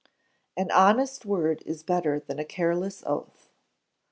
[AN HONEST WORD IS BETTER THAN A CARELESS OATH.